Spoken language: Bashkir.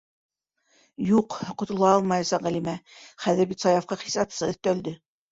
Юҡ, ҡотола алмаясаҡ Ғәлимә, хәҙер бит Саяфҡа хисапсы өҫтәлде.